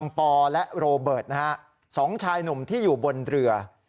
อังปอล์และโรเบิร์ตสองชายหนุ่มที่อยู่บนเรือ